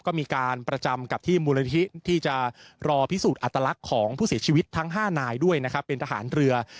ก็มีการประจำกับที่มูลนิธิที่จะรอพิสูจน์อัตลักษณ์ของผู้เสียชีวิตทั้ง๕นายด้วยนะครับเป็นทหารเรือ